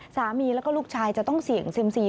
สามีและก็ลูกชายจะต้องเสี่ยงเศรียมศรี